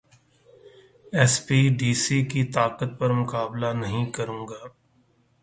S P, D C کی طاقت پر مقابلہ نہیں کروں گا